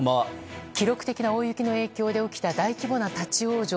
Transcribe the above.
記録的な大雪の影響で起きた大規模な立ち往生。